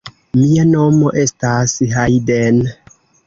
Mia nomo estas Hajden.